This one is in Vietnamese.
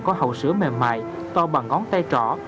có hậu sữa mềm mại to bằng ngón tay trỏ